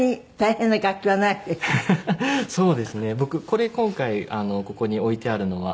これ今回ここに置いてあるのは。